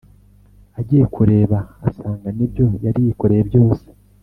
agiye kureba asanga n'ibyo yari yikoreye byose